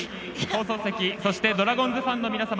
放送席、そしてドラゴンズファンの皆様